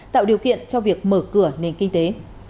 tạo điều kiện cho việc mở cửa nền kinh tế